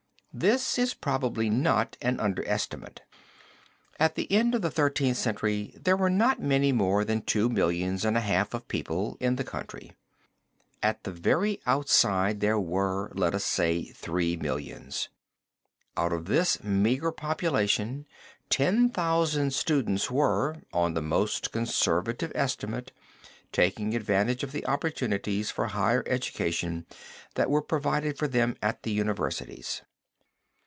This is probably not an underestimate. At the end of the Thirteenth Century there were not many more than two millions and a half of people in the country. At the very outside there were, let us say, three millions. Out of this meagre population, ten thousand students were, on the most conservative estimate, taking advantage of the opportunities for the higher education that were provided for them at the universities.